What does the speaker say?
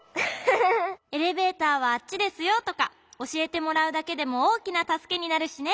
「エレベーターはあっちですよ」とかおしえてもらうだけでもおおきなたすけになるしね。